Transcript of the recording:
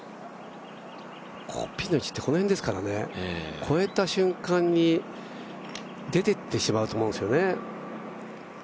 ピンの位置って、この辺ですからね越えた瞬間に、出ていってしまうと思うんですよね。